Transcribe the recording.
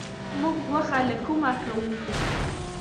موږ غوښه له کومه کوو؟